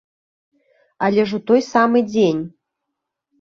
Але ж у той самы дзень.